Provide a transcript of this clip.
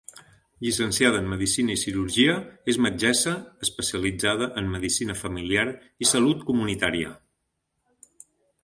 Llicenciada en medicina i cirurgia, és metgessa especialitzada en medicina familiar i salut comunitària.